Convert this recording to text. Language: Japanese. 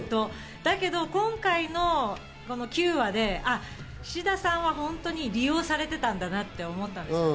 だけど今回の９話で、菱田さんは本当に利用されていたんだなって思ったんですね。